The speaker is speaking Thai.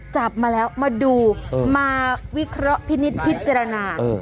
จับมาแล้วมาดูมาวิเคราะห์พิจารณา